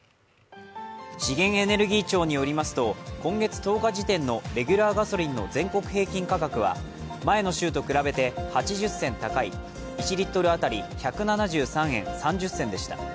資源エネルギー庁によりますと今月１０日時点のレギュラーガソリンの全国平均価格は前の週と比べて８０銭高い１リットル当たり１７３円３０銭でした。